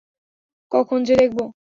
কখন যে দেখব!